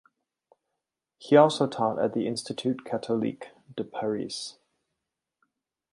He also taught at the Institut Catholique de Paris.